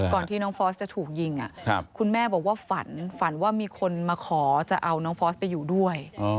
ก่อนที่น้องฟอสจะถูกยิงคุณแม่บอกว่าฝันฝันว่ามีคนมาขอจะเอาน้องฟอสไปอยู่ด้วย